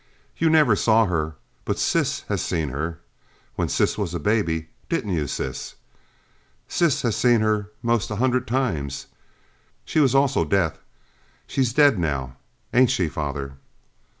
You never saw her, but Sis has seen her, when Sis was a baby didn't you, Sis! Sis has seen her most a hundred times. She was awful deef she's dead now. Ain't she, father!"